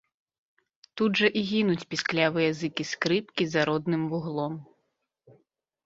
Тут жа і гінуць пісклівыя зыкі скрыпкі за родным вуглом.